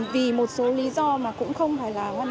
vì một số lý do mà cũng không phải là